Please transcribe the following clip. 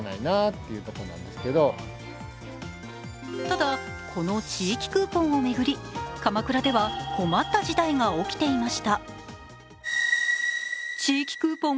ただ、この地域クーポンを巡り鎌倉では困った事態が起きていました。